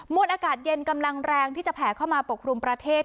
วนอากาศเย็นกำลังแรงที่จะแผ่เข้ามาปกครุมประเทศ